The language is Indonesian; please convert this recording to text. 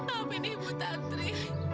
amin ibu tantri